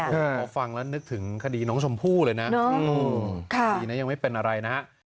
พอฟังแล้วนึกถึงคดีน้องชมพู่เลยนะคดีนะยังไม่เป็นอะไรนะฮะ